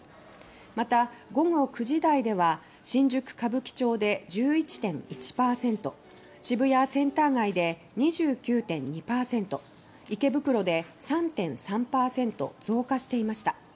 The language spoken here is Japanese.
また、午後９時台では新宿・歌舞伎町で１１．１％渋谷センター街で２９．２％池袋で３．３％増加していました。